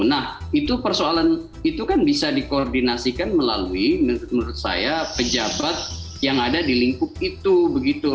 nah itu persoalan itu kan bisa dikoordinasikan melalui menurut saya pejabat yang ada di lingkup itu begitu